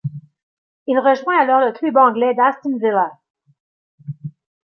Il rejoint alors le club anglais d'Aston Villa.